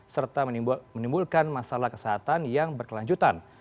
serta menimbulkan masalah kesehatan yang berkelanjutan